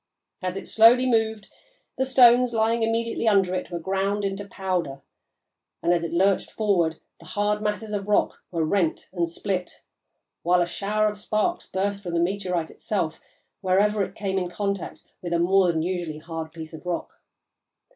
As it slowly moved, the stones lying immediately under it were ground into powder, and, as it lurched forward, the hard masses of rock were rent and split, while a shower of sparks burst from the meteorite itself wherever it came in contact with a more than usually hard piece of rock.